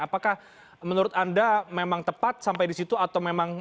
apakah menurut anda memang tepat sampai disitu atau memang